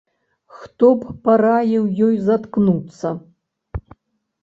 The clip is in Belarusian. Хто б параіў ёй заткнуцца?